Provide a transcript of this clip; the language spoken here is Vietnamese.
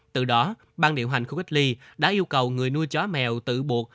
từ đó ban điều hành khu cách ly đã yêu cầu người nuôi chó mèo tự buộc